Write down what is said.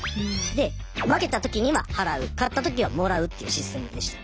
で負けたときには払う勝ったときはもらうっていうシステムでした。